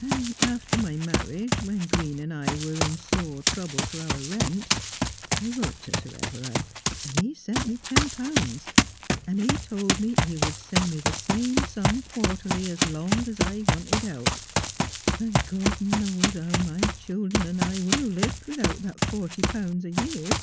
And after my marriage, when Green and I were in sore trouble for our rent, I wrote to Sir Everard, and he sent me ten pounds ; and he told me he would send me the same sum quarterly as long as I wanted help ; and God knows how my children and I would have lived without that forty pounds a year.